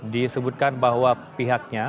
disebutkan bahwa pihaknya